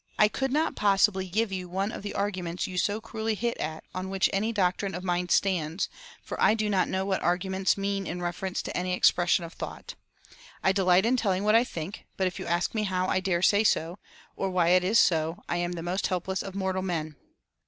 I could not possibly give you one of the 'arguments' you so cruelly hint at on which any doctrine of mine stands, for I do not know what arguments mean in reference to any expression of thought. I delight in telling what I think, but if you ask me how I dare say so, or why it is so, I am the most helpless of mortal men.